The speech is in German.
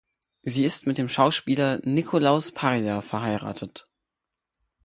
Sie ist mit dem Schauspieler Nikolaus Paryla verheiratet.